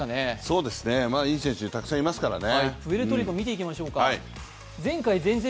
そうですね、いい選手たくさんいますからね。